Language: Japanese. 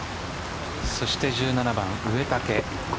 そして１７番、植竹。